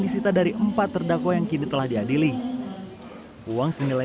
dan sebagai motivasi juga untuk ketipus indonesia